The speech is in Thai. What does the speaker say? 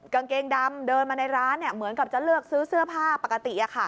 กางเกงดำเดินมาในร้านเหมือนกับจะเลือกซื้อเสื้อผ้าปกติ